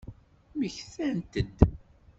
Mmektant-d?